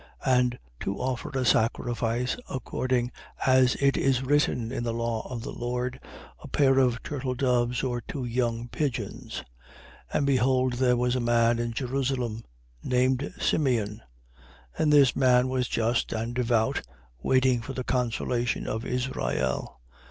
And to offer a sacrifice, according as it is written in the law of the Lord, a pair of turtledoves or two young pigeons: 2:25. And behold there was a man in Jerusalem named Simeon: and this man was just and devout, waiting for the consolation of Israel.